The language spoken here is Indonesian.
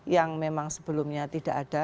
yang memang sebelumnya tidak ada